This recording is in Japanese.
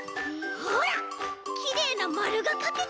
ほらきれいなまるがかけた！